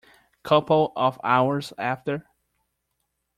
Couple of hours after.